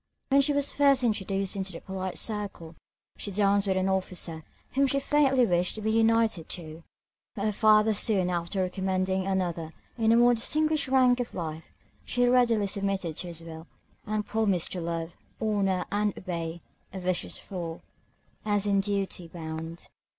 When she was first introduced into the polite circle, she danced with an officer, whom she faintly wished to be united to; but her father soon after recommending another in a more distinguished rank of life, she readily submitted to his will, and promised to love, honour, and obey, (a vicious fool,) as in duty bound.